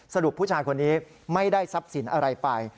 ผู้ชายคนนี้ไม่ได้ทรัพย์สินอะไรไป